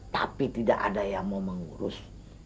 tapi tidak ada yang mau mengurus